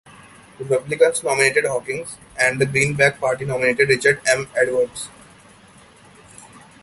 Republicans nominated Hawkins, and the Greenback Party nominated Richard M. Edwards.